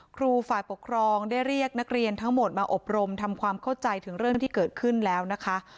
ครูฝ่ายปกครองได้เรียกนักเรียนทั้งหมดมาอบรมทำความเข้าใจถึงเรื่องที่เกิดขึ้นแล้วนะคะ